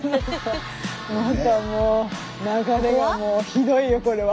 何かもう流れがもうひどいよこれは。